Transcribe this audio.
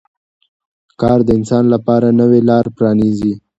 کار د انسان لپاره نوې لارې پرانیزي